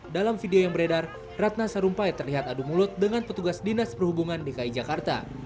dalam video yang beredar ratna sarumpait terlihat adu mulut dengan petugas dinas perhubungan dki jakarta